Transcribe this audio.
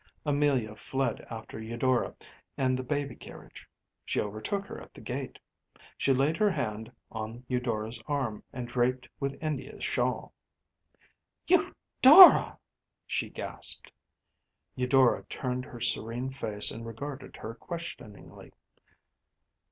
Amelia fled after Eudora and the baby carriage. She overtook her at the gate. She laid her hand on Eudora’s arm, draped with India shawl. ‚ÄúEudora!‚ÄĚ she gasped. Eudora turned her serene face and regarded her questioningly.